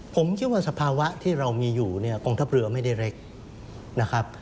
ผมคิดว่าสภาวะที่เรามีอยู่เนี่ยกองทัพเรือไม่ได้เล็กนะครับ